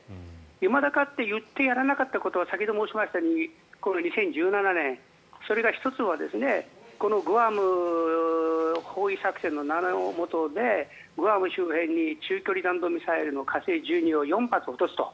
いまだかつて言ってやらなかったことは先ほど申しましたように２０１７年それが１つはグアム包囲作戦の名のもとでグアム周辺に中距離弾道ミサイルの火星１２を４発落とすと。